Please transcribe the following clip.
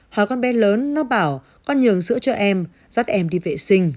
hỏi con bé lớn nó bảo con nhường sữa cho em dắt em đi về